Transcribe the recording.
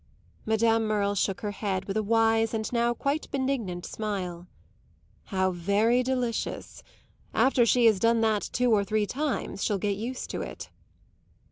Madame Merle shook her head with a wise and now quite benignant smile. "How very delicious! After she has done that two or three times she'll get used to it."